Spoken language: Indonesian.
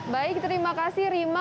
baik terima kasih rima